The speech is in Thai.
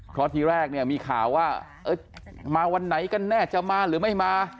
เพราะทีแรกเนี่ยมีข่าวว่ามาวันไหนกันแน่จะมาหรือไม่มา